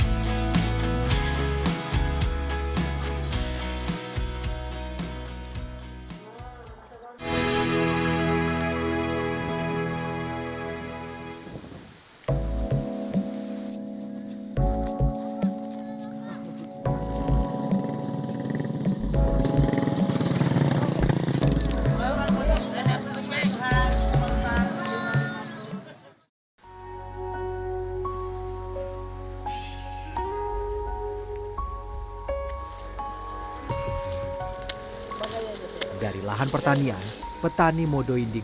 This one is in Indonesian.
dari lahan pertanian petani modo indi malam ini menerima pengambilan petani yang berbeda